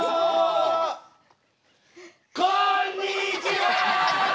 こんにちは！